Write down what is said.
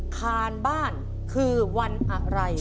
คานบ้านคือวันอะไร